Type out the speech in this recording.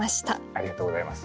ありがとうございます。